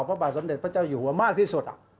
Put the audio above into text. พระบาทสมเด็จพระเจ้าอยู่หัวมากที่สุด